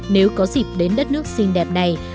nếu có dịp đến đất nước xinh đẹp này